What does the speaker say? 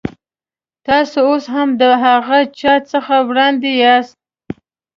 تاسو اوس هم د هغه چا څخه وړاندې یاست.